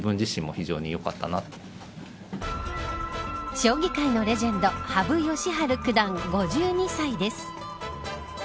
将棋界のレジェンド羽生善治九段、５２歳です。